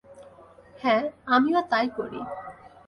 হ্যাঁ, আমিও তাই করি।